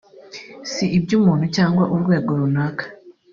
si iby’umuntu cyangwa urwego runaka